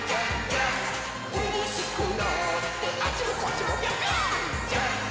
「うれしくなってあっちもこっちもぴょぴょーん」